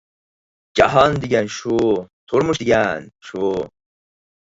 جاھان دېگەن شۇ، تۇرمۇش دېگەن شۇ!